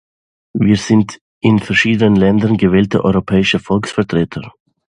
Wir sind in verschiedenen Ländern gewählte europäische Volksvertreter.